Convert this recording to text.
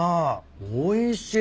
おいしい。